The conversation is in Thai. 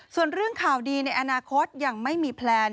ส่วนเรื่องข่าวดีในอนาคตยังไม่มีแพลน